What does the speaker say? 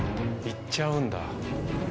行っちゃうんだ。